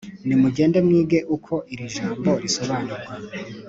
nimugende mwige uko iri jambo risobanurwa,